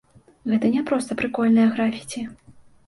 Гэта не проста прыкольнае графіці.